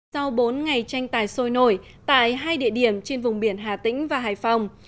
sau bốn ngày tranh tài sôi nổi tại hai địa điểm trên vùng biển hà tĩnh và hải phòng